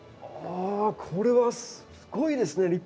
あこれはすごいですね。